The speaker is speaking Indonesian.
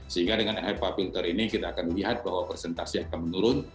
sehingga dengan air pump filter ini kita akan melihat bahwa persentase akan menurun